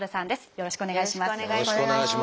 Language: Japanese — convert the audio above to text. よろしくお願いします。